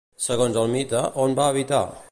Segons el mite, on va habitar?